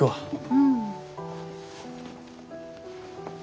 うん。